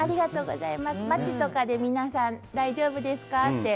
街とかで皆さん大丈夫ですか？とか。